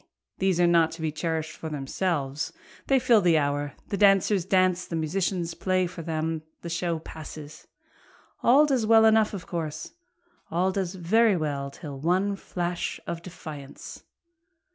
these are not to be cherish'd for themselves, They fill their hour, the dancers dance, the musicians play for them, The show passes, all does well enough of course, All does very well till one flash of defiance.